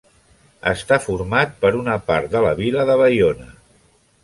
Està format per una part de la vila de Baiona.